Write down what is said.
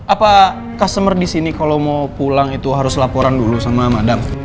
apa customer disini kalau mau pulang itu harus laporan dulu sama madam